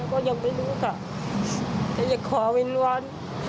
ก็ยังไม่รู้ค่ะแต่อยากขอวินวัล